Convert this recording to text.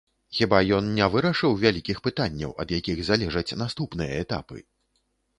Хіба ён не вырашыў вялікіх пытанняў, ад якіх залежаць наступныя этапы?